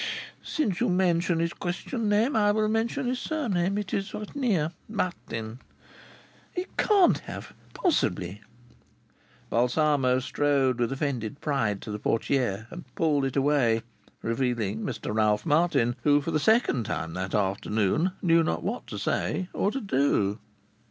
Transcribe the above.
"Since you mention his Christian name, I will mention his surname. It is written here. Martin." "He can't have possibly " Balsamo strode with offended pride to the portière, and pulled it away, revealing Mr Ralph Martin, who for the second time that afternoon knew not what to say or to do.